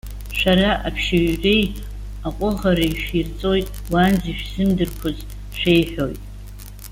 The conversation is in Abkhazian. Шәара аԥшьаҩыреи аҟәыӷареи шәирҵоит, уаанӡа ишәзымдырқәоз шәеиҳәоит.